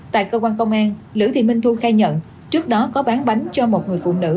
tại cơ quan công an lữ thị minh thu khai nhận trước đó có bán bánh cho một người phụ nữ